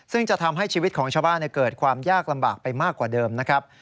ซึ่งจะทำให้ชีวิตของชาวบ้านเกิดความยากลำบากไปมากกว่าเดิมนะครับ